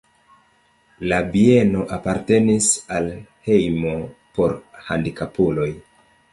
La bieno apartenis al hejmo por handikapuloj.